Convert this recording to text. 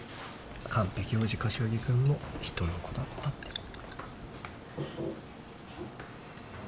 完璧王子柏木君も人の子だったってことよ。